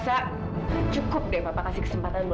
jadi kamu cuma berdua bedanyaiin perasaan melihira